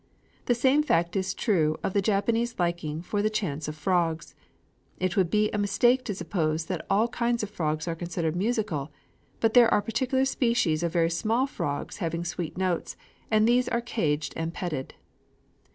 The same fact is true of the Japanese liking for the chant of frogs. It would be a mistake to suppose that all kinds of frogs are considered musical; but there are particular species of very small frogs having sweet notes; and these are caged and petted.